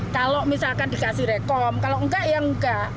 kalau misalkan dikasih rekom kalau nggak ya nggak